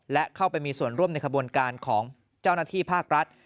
และเข้าไปมีส่วนร่วมในขบวนการของเจ้าหน้าที่ภาครัฐ